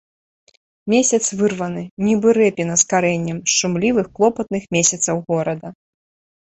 Месяц вырваны, нібы рэпіна з карэннем, з шумлівых клопатных месяцаў горада.